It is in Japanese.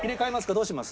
どうします？